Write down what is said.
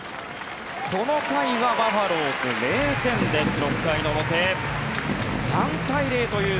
この回はバファローズ０点です。